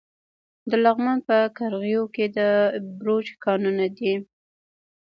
د لغمان په قرغیو کې د بیروج کانونه دي.